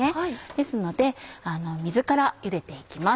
ですので水からゆでて行きます。